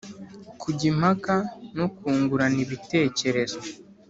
kujya impaka no kungurana ibitekerezo